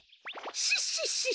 シッシッシッ！